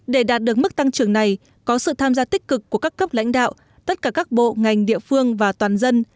để đạt được mức tăng trưởng này có sự tham gia tích cực của các cấp lãnh đạo tất cả các bộ ngành địa phương và toàn dân